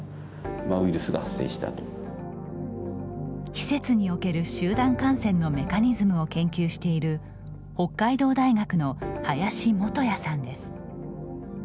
施設における集団感染のメカニズムを研究している北海道大学の林基哉さんです。